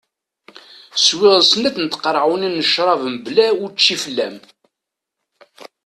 Swiɣ snat n tqaɛunin n crab mebla učči fell-am.